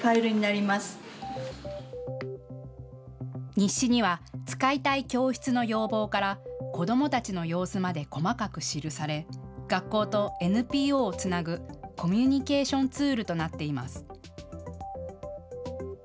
日誌には使いたい教室の要望から子どもたちの様子まで細かく記され学校とＮＰＯをつなぐコミュニケーションツールとなっています。